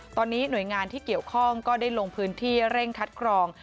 ตอนนี้หน่วยงานที่เกี่ยวข้องก็ได้ลงพื้นที่เร่งคัดกรอง